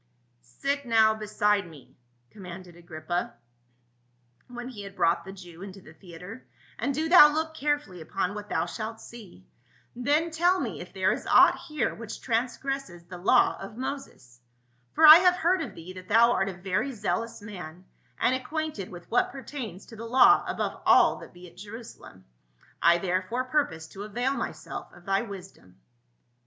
"Sit now beside me," commanded Agrippa, when he had brought the Jew into the theatre, "and do thou look carefully upon what thou shalt see, then tell TUE KING OF THE JEWS. 251 me if there is aught here which transgresses the law of Moses ; for I have heard of thee that thou art a very zealous man, and acquainted with what pertains to the law above all that be at Jerusalem ; I therefore purpose to avail myself of thy wisdom."